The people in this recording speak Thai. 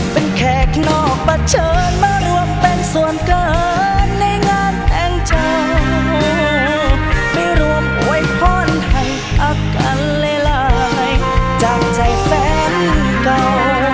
เป็นแขกนอกประเฉินมาร่วมเป็นส่วนเกินในงานแต่งเจ้า